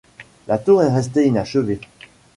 La tour est restée inachevée.